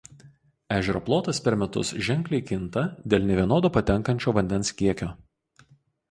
Ežero plotas per metus ženkliai kinta dėl nevienodo patenkančio vandens kiekio.